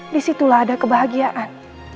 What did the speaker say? disitulah ada kebahagiaan